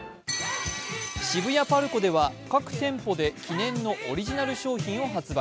渋谷ＰＡＲＣＯでは各店舗で記念のオリジナル商品を発売。